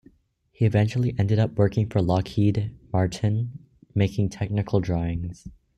He eventually ended up working for Lockheed Martin making technical drawings.